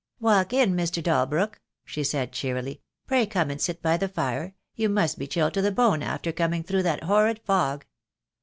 "Walk in, Mr. Dalbrook," she said cheerily. "Pray come and sit by the fire, you must be chilled to the bone after coming through that horrid fog.